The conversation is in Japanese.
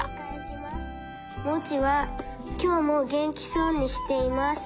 「モチはきょうもげんきそうにしています。